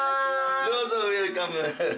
どうぞウエルカム